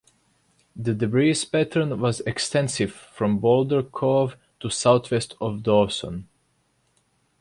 The debris pattern was extensive from Boulder cove to southwest of Dawson.